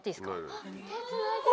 あっ手つないでる。